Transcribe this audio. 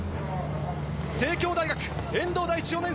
帝京大学遠藤大地